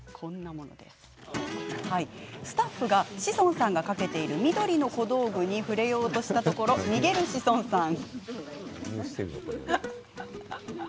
スタッフが志尊さんが掛けている緑の小道具に触れようとしたところ逃げる志尊さん。